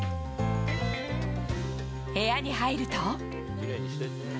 部屋に入ると。